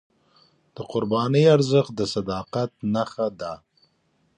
د قربانۍ ارزښت د صداقت نښه ده.